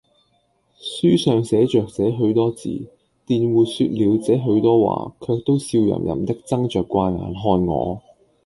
書上寫着這許多字，佃戶說了這許多話，卻都笑吟吟的睜着怪眼看我。